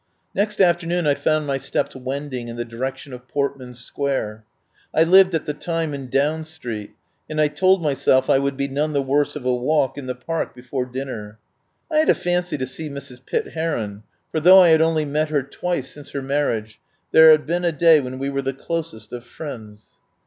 Next afternoon I found my steps wending in the direction of Portman Square. I lived at the time in Down Street, and I told myself I would be none the worse of a walk in the Park before dinner. I had a fancy to see Mrs. Pitt Heron, for, though I had only met her twice since her marriage, there had been a day when we were the closest of friends.